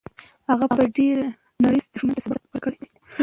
هغه په ډېرې نره دښمن ته سبق ورکړ.